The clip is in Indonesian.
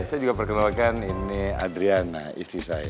saya juga perkenalkan ini adriana istri saya